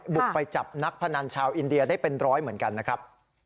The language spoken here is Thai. บุกไปจับนักพนันชาวอินเดียได้เป็นร้อยเหมือนกันนะครับ